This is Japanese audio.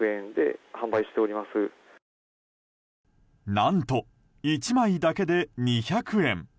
何と１枚だけで２００円。